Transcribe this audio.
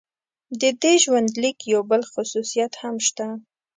د دې ژوندلیک یو بل خصوصیت هم شته.